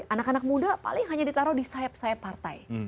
anak anak muda paling hanya ditaruh di sayap sayap partai